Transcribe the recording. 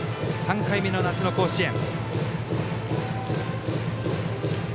３回目の夏の甲子園。